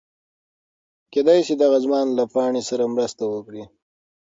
کېدی شي دغه ځوان له پاڼې سره مرسته وکړي.